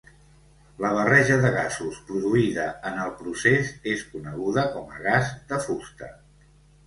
La barreja de gasos produïda en el procés és coneguda com a gas de fusta.